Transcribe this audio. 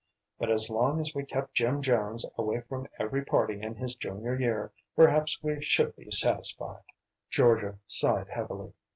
But as long as we kept Jim Jones away from every party in his junior year, perhaps we should be satisfied." Georgia sighed heavily.